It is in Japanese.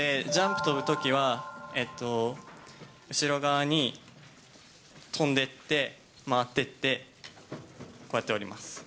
ジャンプ跳ぶときは、後ろ側に跳んでって、回ってって、こうやって下ります。